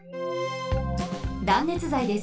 断熱材です。